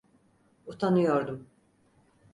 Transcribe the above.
Utanıyordum...